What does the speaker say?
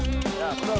sekarang gini abah